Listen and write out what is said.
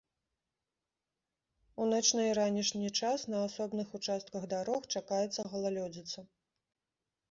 У начны і ранішні час на асобных участках дарог чакаецца галалёдзіца.